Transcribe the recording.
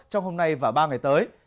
trong hôm nay và ba ngày tới